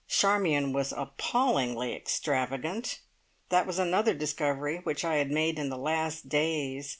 Charmion was appallingly extravagant! That was another discovery which I had made in the last days.